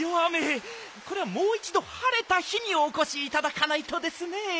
これはもういちどはれた日におこしいただかないとですね。